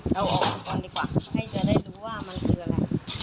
เราออกก่อนดีกว่าให้จะได้รู้ว่ามันคืออะไร